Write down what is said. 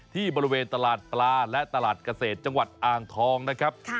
ที่บริเวณตลาดปลาและตลาดเกษตรจังหวัดอ่างทองนะครับ